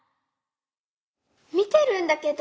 みてるんだけど。